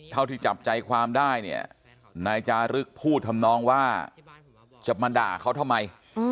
เท่าที่จับใจความได้เนี่ยนายจารึกพูดทำนองว่าจะมาด่าเขาทำไม